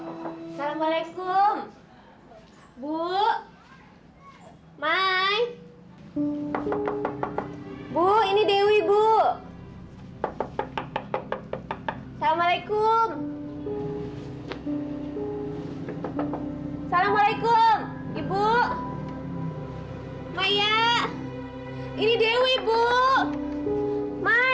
assalamualaikum bu mai bu ini dewi bu assalamualaikum assalamualaikum ibu maya ini dewi bu mai